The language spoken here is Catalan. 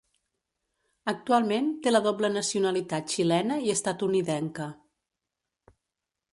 Actualment té la doble nacionalitat xilena i estatunidenca.